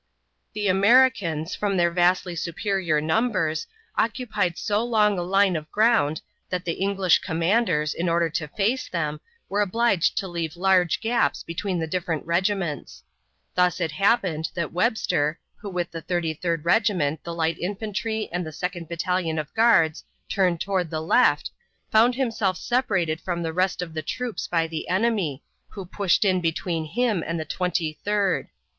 The Americans, from their vastly superior numbers, occupied so long a line of ground that the English commanders, in order to face them, were obliged to leave large gaps between the different regiments. Thus it happened that Webster, who with the Thirty third Regiment, the light infantry, and the second battalion of guards turned toward the left, found himself separated from the rest of the troops by the enemy, who pushed in between him and the Twenty third.